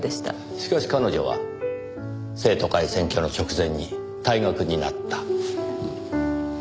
しかし彼女は生徒会選挙の直前に退学になった。